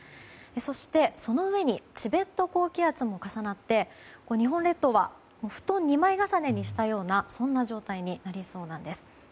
そして、その上にチベット高気圧も重なって日本列島は布団２枚重ねにしたような状態になりそうなんです。